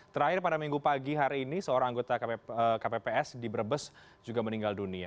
terakhir pada minggu pagi hari ini seorang anggota kpps di brebes juga meninggal dunia